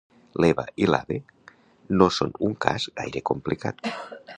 L'Eva i l'Abe no són un cas gaire complicat.